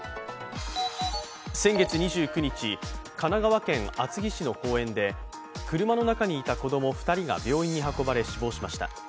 先月２９日、神奈川県厚木市の公園で車の中にいた子供２人が病院に運ばれ死亡しました。